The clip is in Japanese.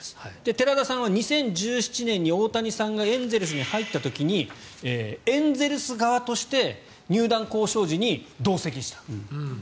寺田さんは２０１７年に大谷さんがエンゼルスに入った時にエンゼルス側として入団交渉時に同席した。